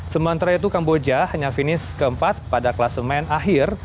sementara itu kamboja hanya finish keempat pada kelasemen akhir